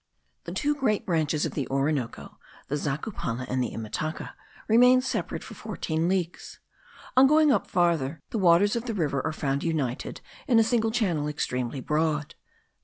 The two great branches of the Orinoco, the Zacupana and the Imataca, remain separate for fourteen leagues: on going up farther, the waters of the river are found united* in a single channel extremely broad.